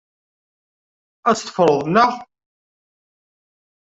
Ad tt-teffreḍ, naɣ?